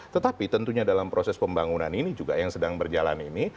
tetapi tentunya dalam proses pembangunan ini juga yang sedang berjalan ini